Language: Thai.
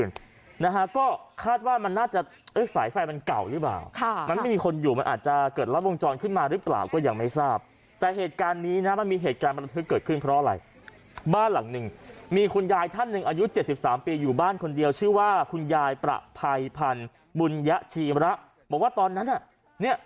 นะฮะก็คาดว่ามันน่าจะเอ้ยสายไฟมันเก่าหรือเปล่าค่ะมันไม่มีคนอยู่มันอาจจะเกิดลัดวงจรขึ้นมาหรือเปล่าก็ยังไม่ทราบแต่เหตุการณ์นี้นะมันมีเหตุการณ์บรรทึกเกิดขึ้นเพราะอะไรบ้านหลังหนึ่งมีคุณยายท่านหนึ่งอายุเจ็ดสิบสามปีอยู่บ้านคนเดียวชื่อว่าคุณยายประภัยพันธ์บุญยชีมระบอกว่าตอนนั้นอ่ะเนี่ย